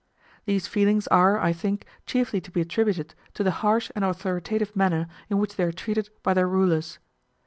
These feelings are, I think, chiefly to be attributed to the harsh and authoritative manner in which they are treated by their rulers.